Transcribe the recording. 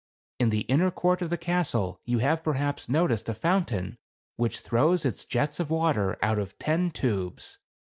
In the inner court of the castle you have perhaps noticed a fountain which throws its jets of water out of ten tubes.